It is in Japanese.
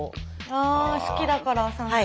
あ好きだから酸素。